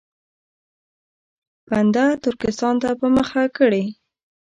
بنده ترکستان ته په مخه کړي.